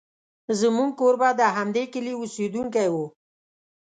زموږ کوربه د همدې کلي اوسېدونکی و.